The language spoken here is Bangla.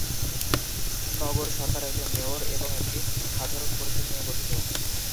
নগর সরকার একজন মেয়র এবং একটি সাধারণ পরিষদ নিয়ে গঠিত।